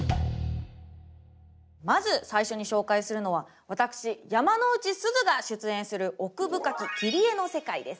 まず最初に紹介するのは私山之内すずが出演する「奥深き切り絵の世界」です。